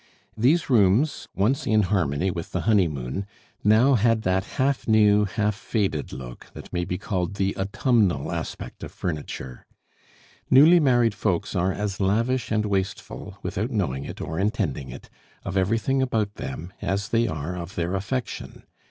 These rooms, once in harmony with the honeymoon, now had that half new, half faded look that may be called the autumnal aspect of furniture. Newly married folks are as lavish and wasteful, without knowing it or intending it, of everything about them as they are of their affection.